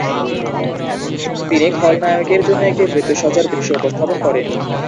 তিনি খলনায়কের জন্য একটি মৃত্যুশয্যার দৃশ্য উপস্থাপন করেন।